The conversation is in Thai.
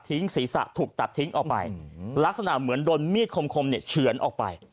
ทิ้งศีรษะถูกตัดทิ้งออกไปลักษณะเหมือนดนตร์มีดคมคมมิถชเฉินออกไป